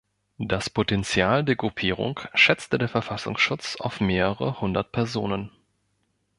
Das Potenzial der Gruppierung schätzte der Verfassungsschutz auf mehrere hundert Personen.